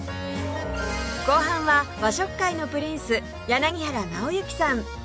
後半は和食界のプリンス柳原尚之さん